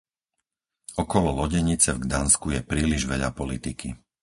Okolo lodenice v Gdansku je príliš veľa politiky.